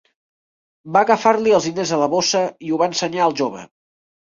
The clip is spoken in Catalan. Va agafar-li els diners de la bossa i ho va ensenyar al jove.